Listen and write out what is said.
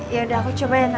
yaudah aku cobain nanda